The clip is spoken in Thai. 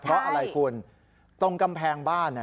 เพราะอะไรคุณตรงกำแพงบ้าน